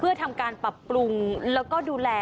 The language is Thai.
เพื่อทำการปรับปรุงแล้วก็ดูแล